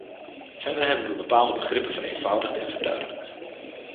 Verder hebben we bepaalde begrippen vereenvoudigd en verduidelijkt.